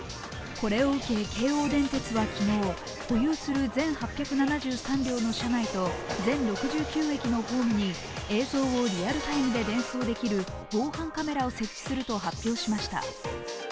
これを受け、京王電鉄は昨日保有する全８７３両の車内と全６９駅のホームに映像をリアルタイムで伝送できる防犯カメラを設置すると発表しました。